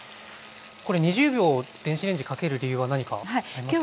これ２０秒電子レンジかける理由は何かありますか？